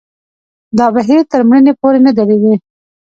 دا بهیر تر مړینې پورې نه درېږي.